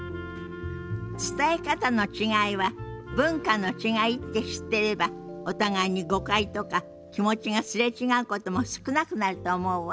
伝え方の違いは文化の違いって知ってればお互いに誤解とか気持ちが擦れ違うことも少なくなると思うわ。